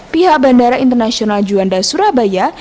pihak bandara internasional juanda surabaya